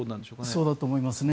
そうだと思います。